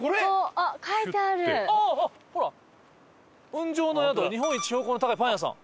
「雲上の宿日本一標高の高いパン屋さん」。